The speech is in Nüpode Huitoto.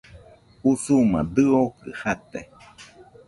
Usuma dɨokɨ jate.